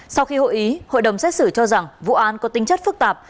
sau khi hội ý hội đồng xét xử cho rằng vụ án có tính chất phức tạp